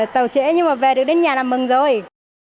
tàu trễ nhưng mà về được đến nhà là mừng rồi